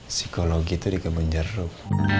psikologi itu dikepun jarum